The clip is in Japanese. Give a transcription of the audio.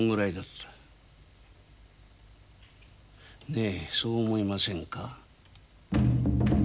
ねえそう思いませんか？